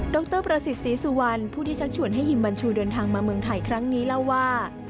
รประสิทธิ์ศรีสุวรรณผู้ที่ชักชวนให้ฮิมบัญชูเดินทางมาเมืองไทยครั้งนี้เล่าว่า